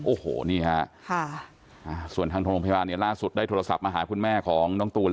โอ้โหนี่ฮะส่วนทางโรงพยาบาลเนี่ยล่าสุดได้โทรศัพท์มาหาคุณแม่ของน้องตูน